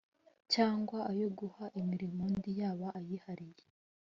cyangwa ayo guha imirimo undi yaba ayihariye